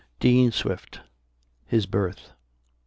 DEAN SWIFT. HIS BIRTH.